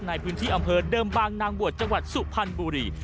ในพื้นที่อำเภอเดิมบางนางบวชจังหวัดสุพรรณบุรี